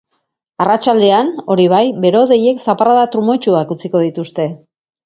Arratsaldean, hori bai, bero-hodeiek zaparrada trumoitsuak utziko dituzte.